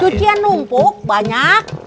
cucian numpuk banyak